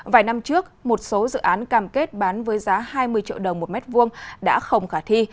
vài năm trước một số dự án cam kết bán với giá hai mươi triệu đồng một mét vuông đã không khả thi